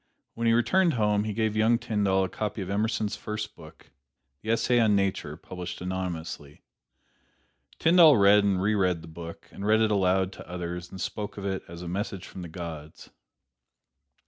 When he returned home he gave young Tyndall a copy of Emerson's first book, the "Essay on Nature," published anonymously. Tyndall read and re read the book, and read it aloud to others and spoke of it as a "message from the gods."